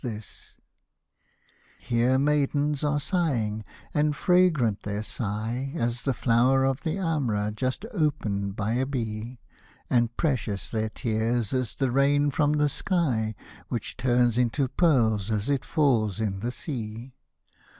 Hosted by Google 154 LALLA ROOKH Here maidens are sighing, and fragrant their sigh As the flower of the Amra just oped by a bee ; And precious their tears as that rain from the sky, Which turns into pearls as it falls in the sea.